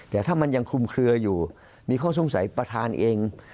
แต่ถ้ามันยังคลุมเคลืออยู่มีข้อสงสัยประธานเอง